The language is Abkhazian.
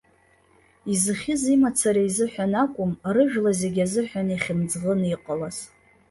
Изыхьыз имацара изыҳәан акәым, рыжәла зегьы азыҳәан ихьымӡӷын иҟалаз.